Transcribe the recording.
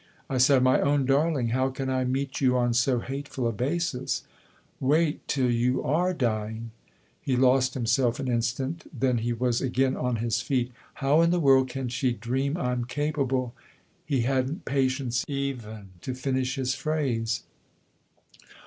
I said :' My own darling^ 52 THE OTHER HOUSE how can I meet you on so hateful a basis ? Wait till you are dying !'" He lost himself an instant ; then he was again on his feet. " How in the world can she dream I'm capable ?" He hadn't patience even to finish his phrase.